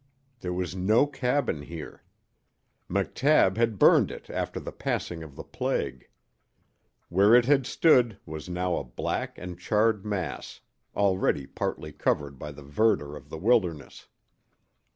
There was no cabin here. McTabb had burned it after the passing of the plague. Where it had stood was now a black and charred mass, already partly covered by the verdure of the wilderness.